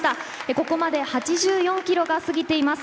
ここまで８４キロが過ぎています。